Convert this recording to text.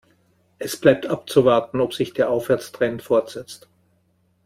Es bleibt abzuwarten, ob sich der Aufwärtstrend fortsetzt.